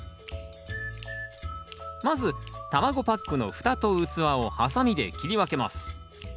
まず卵パックのふたと器をハサミで切り分けます。